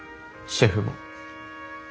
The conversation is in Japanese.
シェフも。